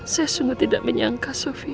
saya sungguh tidak menyangka sofi